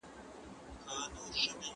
پلار يا مور به ناخبره وو، زوی به مسلمان سو.